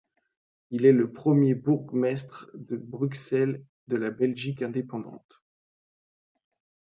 Il est le premier bourgmestre de Bruxelles de la Belgique indépendante.